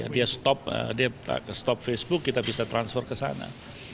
dia stop facebook kita bisa transfer ke sana